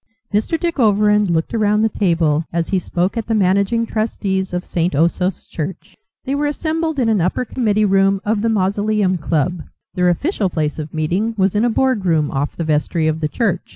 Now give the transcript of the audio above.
Mr. Dick Overend looked around the table as he spoke at the managing trustees of St. Osoph's church. They were assembled in an upper committee room of the Mausoleum Club. Their official place of meeting was in a board room off the vestry of the church.